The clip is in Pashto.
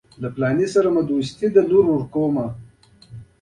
د بوټانو د تولید فابریکه باید په شمال کې نښلول شوې وای.